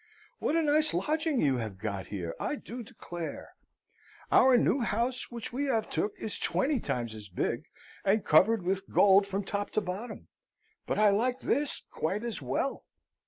What a nice lodging you have got here, I do declare! Our new house which we have took is twenty times as big, and covered with gold from top to bottom; but I like this quite as well.